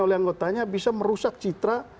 oleh anggotanya bisa merusak citra